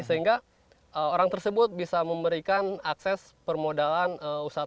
sehingga orang tersebut bisa memberikan akses permodalan usaha